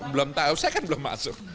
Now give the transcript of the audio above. belum tahu saya kan belum masuk